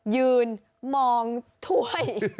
ยืนมองถ้วย